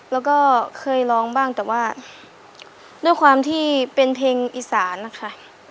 แล้วก็เคยร้องบ้างแต่ว่าด้วยความที่เป็นเพลงอีสานนะคะ